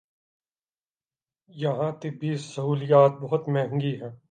یہاں طبی سہولیات بہت مہنگی ہیں۔